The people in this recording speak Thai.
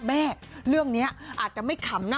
แม่เรื่องนี้อาจจะไม่ขำนะ